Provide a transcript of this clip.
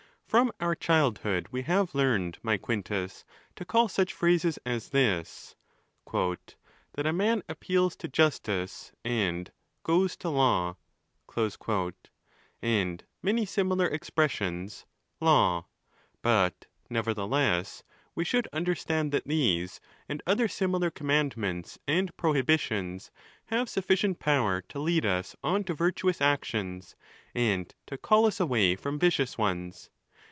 —From our childhood we have learned, my Quin tus, to call such phrases as this, "that a man appeals to justice, and goes to law," and many similar expressions, law ; but, nevertheless, we should understand that these, and other similar commandments and prohibitions, have sufficient power to lead us on to virtuous actions and to call us away from vicious ones.